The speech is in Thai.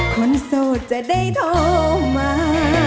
โสดจะได้โทรมา